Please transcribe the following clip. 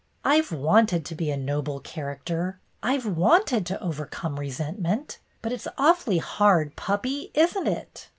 "I 've wanted to be a Noble Character. I 've wanted to overcome resentment. But it 's awfully hard, puppy, is n't it?"